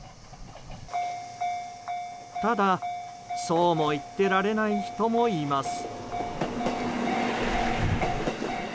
ただ、そうも言ってられない人もいます。